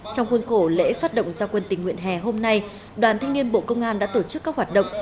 trong khuôn khổ lễ phát động gia quân tình nguyện hè hôm nay đoàn thanh niên bộ công an đã tổ chức các hoạt động